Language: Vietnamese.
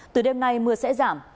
từ đêm nay mưa sẽ giảm